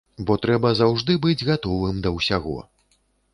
Бо трэба заўжды быць гатовым да ўсяго.